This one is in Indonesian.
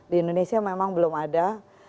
di indonesia memang belum ada